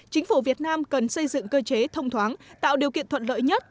chính phủ việt nam cần xây dựng cơ chế thông thoáng tạo điều kiện thuận lợi nhất